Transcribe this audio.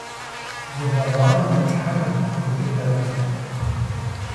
Дзыгъуэ гъуанэм ипщхьэнут, укӀытэрти.